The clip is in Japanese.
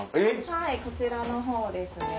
はいこちらのほうですね。